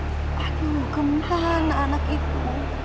aduh gementar anak itu